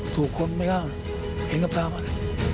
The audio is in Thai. ถูกค้นไหมครับเห็นกับตาไหม